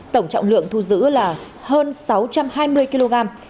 tổng trọng lượng thu giữ là hơn sáu trăm hai mươi kg